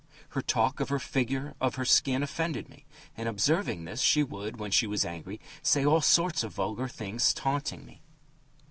Her talk of her figure, of her skin, offended me, and observing this, she would, when she was angry, say all sorts of vulgar things taunting me.